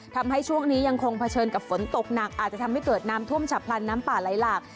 ทำให้ช่วงนี้ยังคงเผชิญกับฝนตกหนักอาจจะทำให้เกิดน้ำท่วมฉับพลันน้ำป่าไหลหลาก